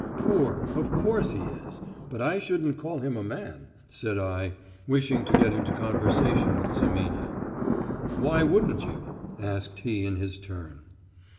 "Poor, of course he is, but I shouldn't call him a man," said I, wishing to get into conversation with Zimina. "Why wouldn't you?" asked he in his turn.